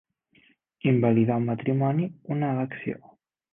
Invalidar un matrimoni, una elecció.